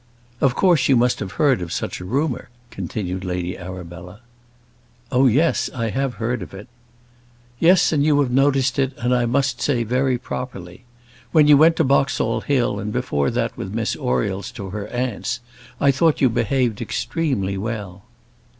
"Of course you must have heard of such a rumour," continued Lady Arabella. "Oh, yes, I have heard of it." "Yes, and you have noticed it, and I must say very properly. When you went to Boxall Hill, and before that with Miss Oriel's to her aunt's, I thought you behaved extremely well."